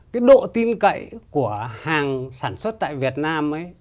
cái độ tin cậy của hàng sản xuất tại việt nam ấy